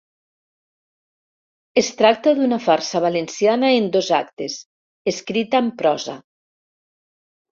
Es tracta d'una farsa valenciana en dos actes, escrita en prosa.